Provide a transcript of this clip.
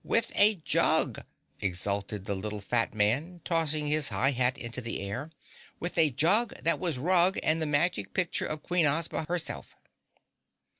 "With a jug," exulted the little fat man, tossing his high hat into the air. "With a jug that was Rug and the magic picture of Queen Ozma herself."